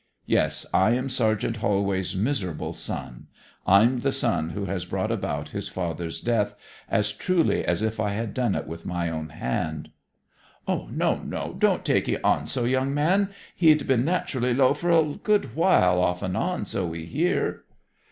Yes; I am Sergeant Holway's miserable son I'm the son who has brought about his father's death, as truly as if I had done it with my own hand!' 'No, no. Don't ye take on so, young man. He'd been naturally low for a good while, off and on, so we hear.'